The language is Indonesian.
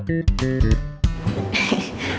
apa teman lu istri hari ini